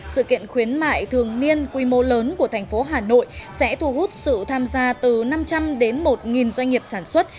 sự kiện khuyến mãi thường niên quy mô lớn của tp hà nội sẽ thu hút sự tham gia từ năm trăm linh đến một doanh nghiệp sản xuất